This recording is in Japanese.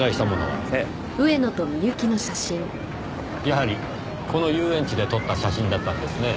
やはりこの遊園地で撮った写真だったんですね。